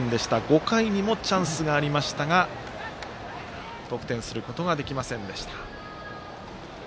５回にもチャンスがありましたが得点することができませんでした。